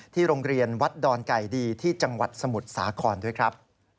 โรงเรียนวัดดอนไก่ดีที่จังหวัดสมุทรสาครด้วยครับ